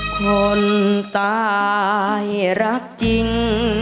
คนตายรักจริง